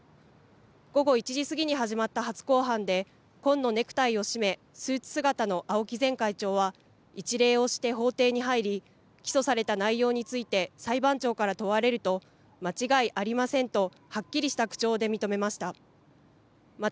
午後１時過ぎに始まった初公判で紺のネクタイを締めスーツ姿の青木前会長は一礼をして法廷に入り起訴された内容について裁判長から問われると間違いありませんとはっきりした口調で認めました。